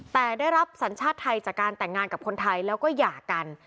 แต่ได้รับสัญชาติไทยจากการแต่งงานกับคนไทยแล้วก็หย่ากัน